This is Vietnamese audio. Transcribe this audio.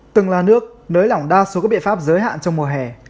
từng là nước nới lỏng đa số các biện pháp giới hạn trong mùa hè